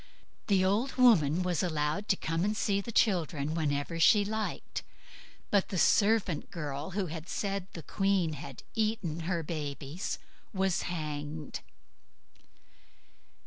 The old woman was allowed to come and see the children whenever she liked. But the servant girl, who said the queen had eaten her babies, was hanged.